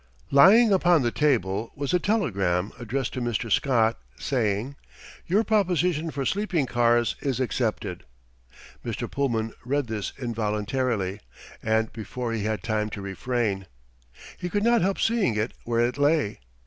Lying upon the table was a telegram addressed to Mr. Scott, saying, "Your proposition for sleeping cars is accepted." Mr. Pullman read this involuntarily and before he had time to refrain. He could not help seeing it where it lay.